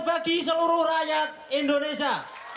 bagi seluruh rakyat indonesia